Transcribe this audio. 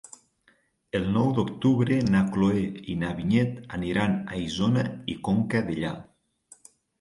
El nou d'octubre na Cloè i na Vinyet aniran a Isona i Conca Dellà.